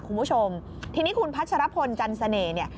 คุณผู้ชมทีนี้คุณพัชรพลจันเสน่ห์เนี่ย